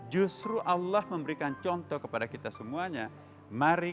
justru allah memberikan contoh kepada kita sendiri